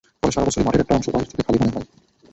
ফলে সারা বছরই মাঠের একটা অংশ বাহির থেকে খালি বলে মনে হয়।